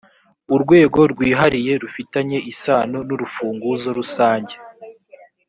urwego rwihariye rufitanye isano n’urufunguzo rusange